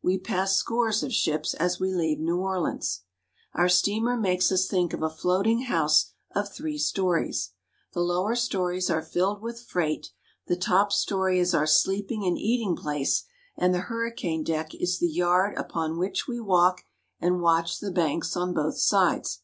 We pass scores of ships as we leave New Orleans. Our steamer makes us think of a floating house of three stories. The lower stories are filled with freight; the top CARP. N. AM. — 10 152 THE MISSISSIPPI. story is our sleeping and eating place; and the hurricane deck is the yard upon which we walk and watch the banks on both sides.